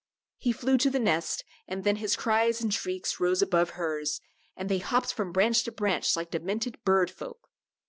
He flew to the nest, and then his cries and shrieks rose above hers, and they hopped from branch to branch like demented bird folk.